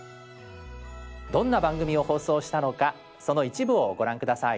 どんな番組を放送したのかその一部をご覧下さい。